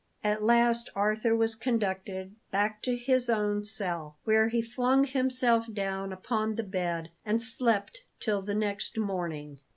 At last Arthur was conducted back to his own cell, where he flung himself down upon the bed and slept till the next morning.